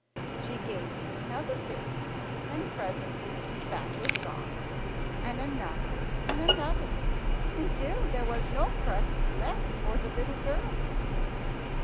She gave him another bit, and presently that was gone, and another and another, until there was no crust left for the little girl.